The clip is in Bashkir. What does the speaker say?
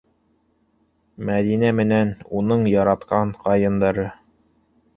Мәҙинә менән уның яратҡан ҡайындары.